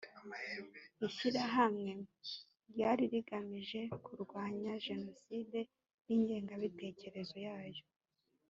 ishyirahamwe ryari rigamije kurwanya jenoside n’ingengabitekerezo yayo